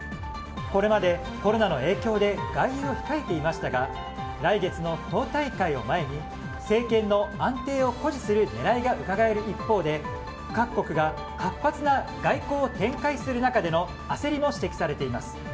これまで、コロナの影響で外遊を控えていましたが来月の党大会を前に政権の安定を誇示する狙いがうかがえる一方で、各国が活発な外交を展開する中での焦りも指摘されています。